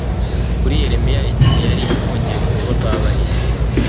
kuri yeremiya igihe yari afungiwe mu rugo rw abarinzi